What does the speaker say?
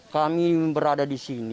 kami berada di sini